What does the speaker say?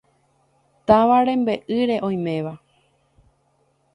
Táva rembe'ýre oiméva.